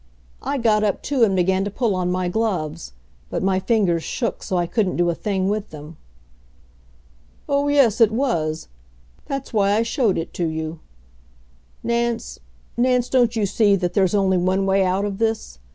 I got up, too, and began to pull on my gloves; but my fingers shook so I couldn't do a thing with them. "Oh, yes, it was. That's why I showed it to you. Nance Nance, don't you see that there's only one way out of this?